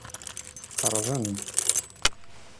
Tqerrbem-d.